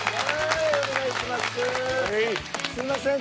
すみません